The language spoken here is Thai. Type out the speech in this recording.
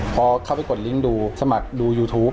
พอเข้าไปกดลิงค์ดูสมัครดูยูทูป